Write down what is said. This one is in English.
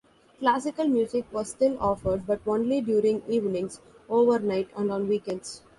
Classical music was still offered, but only during evenings, overnight and on weekends.